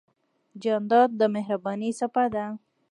جانداد د مهربانۍ څپه ده.